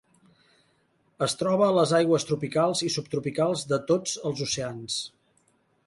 Es troba a les aigües tropicals i subtropicals de tots els oceans.